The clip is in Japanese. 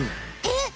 えっ？